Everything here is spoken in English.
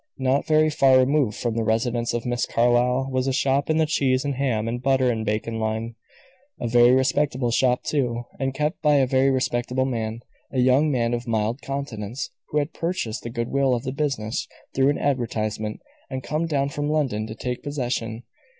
Not very far removed from the residence of Miss Carlyle was a shop in the cheese and ham and butter and bacon line. A very respectable shop, too, and kept by a very respectable man a young man of mild countenance, who had purchased the good will of the business through an advertisement, and come down from London to take possession.